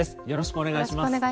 よろしくお願いします。